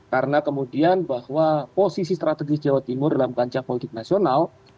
karena kemudian bahwa posisi strategis jawa timur dalam panjang politik nasional